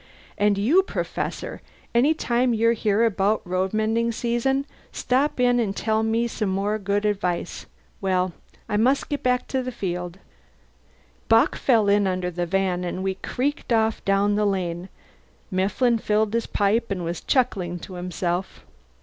And you, Professor, any time you're here about road mending season, stop in an' tell me some more good advice. Well, I must get back to the field." Bock fell in under the van, and we creaked off down the lane. Mifflin filled his pipe and was chuckling to himself.